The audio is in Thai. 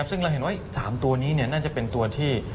ซึ่งเราเห็นว่า๓ตัวนี้น่าจะเป็นตัวที่